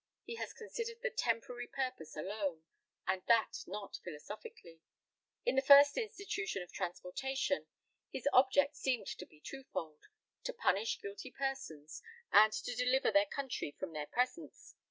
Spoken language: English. He has considered the temporary purpose alone, and that not philosophically. In the first institution of transportation, his object seemed to be twofold: to punish guilty persons, and to deliver their country from their presence.